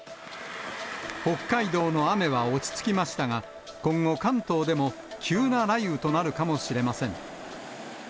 北海道の雨は落ち着きましたが、今後、関東でも急な雷雨となるかもしれません。